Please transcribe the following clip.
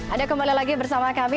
ada kembali lagi bersama kami